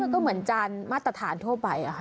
ก็เหมือนจานมาตรฐานทั่วไป